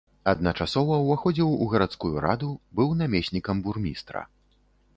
Адначасова ўваходзіў у гарадскую раду, быў намеснікам бурмістра.